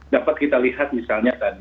dapat kita lihat misalnya tadi